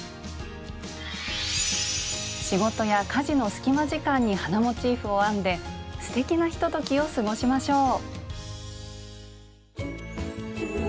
仕事や家事の隙間時間に花モチーフを編んですてきなひとときを過ごしましょう！